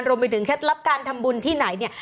รวมไปถึงแค่รับการทำบุญที่ไหนเนี่ย